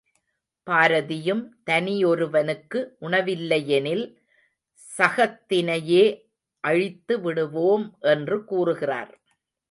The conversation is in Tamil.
பாரதியும், தனியொருவனுக்கு உணவிலையெனில் சகத்தினையே அழித்து விடுவோம் என்று கூறுகிறார்.